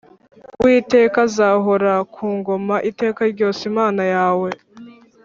Uwiteka azahorakungoma itekaryose, imanayawe